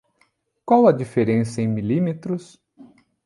Qual a diferença em milímetros?